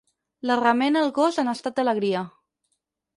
La remena el gos en estat d'alegria.